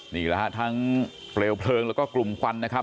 นี่แหละฮะทั้งเปลวเพลิงแล้วก็กลุ่มควันนะครับ